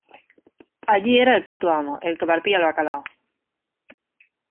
Allí era el puto amo, el que partía el bacalao